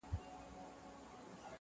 پردۍ موچڼه پر پښه معلومېږي.